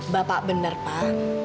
bapak benar pak